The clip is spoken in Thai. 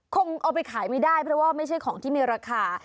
คงเอาไปขายไม่ได้เพราะว่าไม่ใช่ของที่มีราคา